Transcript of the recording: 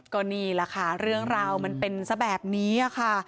ก็นี่แหละค่ะเรื่องราวมันเป็นซะแบบนี้ค่ะ